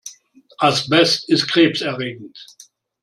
Asbest ist krebserregend.